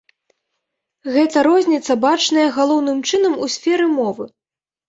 Гэта розніца бачная галоўным чынам у сферы мовы.